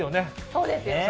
そうですよね。